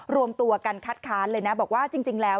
รวมตัวกันคัดค้านเลยนะบอกว่าจริงแล้ว